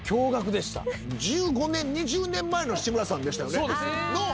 １５年２０年前の志村さんでしたよね。